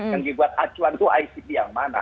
yang dibuat acuan itu icp yang mana